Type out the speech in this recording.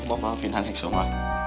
mama fintan eksoma